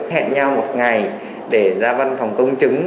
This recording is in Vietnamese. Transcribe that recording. hẹn nhau một ngày để ra văn phòng công chứng